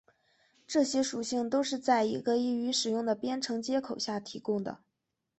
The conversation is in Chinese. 这些属性都是在一个易于使用的编程接口下提供的。